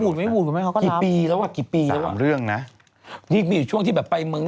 ดูได้ทำไมจราผมอย่างเอลวิสเหมือนกัน